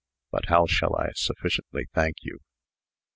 But how shall I sufficiently thank you?"